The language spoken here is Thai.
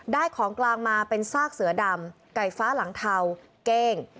ของกลางมาเป็นซากเสือดำไก่ฟ้าหลังเทาเก้ง